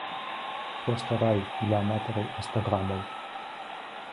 Проста рай для аматараў інстаграмаў.